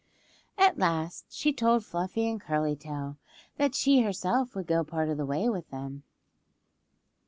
At last she told Fluffy and Curly Tail that she herself would go part of the way with them.